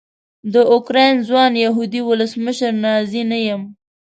د اوکراین ځوان یهودي ولسمشر نازي نه یم.